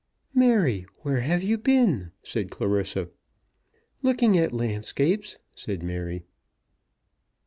"Mary, where have you been?" said Clarissa. "Looking at landscapes," said Mary.